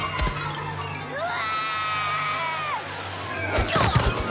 うわ！